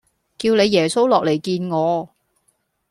叫你耶穌落嚟見我